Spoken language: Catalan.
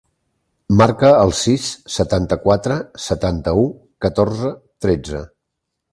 Marca el sis, setanta-quatre, setanta-u, catorze, tretze.